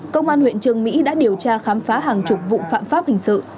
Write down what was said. công an huyện trường mỹ đã điều tra khám phá hàng chục vụ phạm pháp hình sự